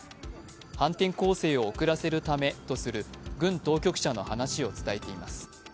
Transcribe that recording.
反転攻勢を遅らせるためとする軍当局者の話を伝えています。